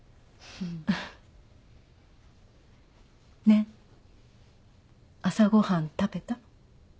ねえ朝ご飯食べた？